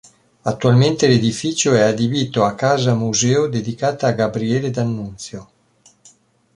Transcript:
Attualmente l'edificio è adibito a casa-museo dedicata a Gabriele D'Annunzio.